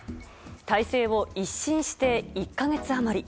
体制を一新して１か月余り。